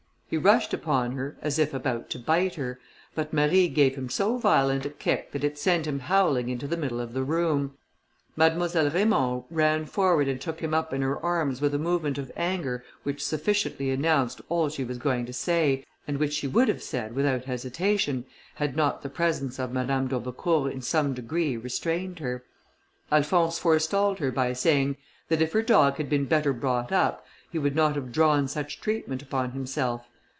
He rushed upon her as if about to bite her, but Marie gave him so violent a kick, that it sent him howling into the middle of the room. Mademoiselle Raymond ran forward and took him up in her arms, with a movement of anger which sufficiently announced all she was going to say, and which she would have said without hesitation, had not the presence of Madame d'Aubecourt in some degree restrained her. Alphonse forestalled her by saying, that if her dog had been better brought up, he would not have drawn such treatment upon himself.